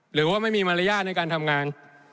หรือว่าไม่มีมารยาทในการทำงาน